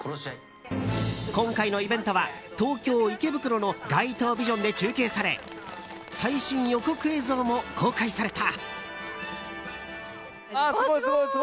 今回のイベントは東京・池袋の街頭ビジョンで中継され最新予告映像も公開された。